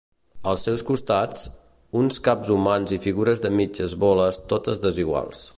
Als seus costats, uns caps humans i figures de mitges boles totes desiguals.